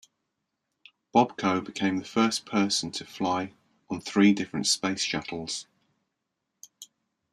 Bobko became the first person to fly on three different Space Shuttles.